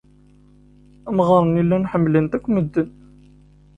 Amɣar-nni llan ḥemmlen-t akk medden.